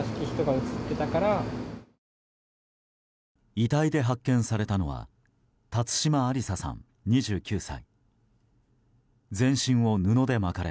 遺体で発見されたのは辰島ありささん、２９歳。